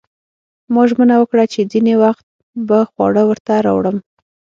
ما ژمنه وکړه چې ځینې وخت به خواړه ورته راوړم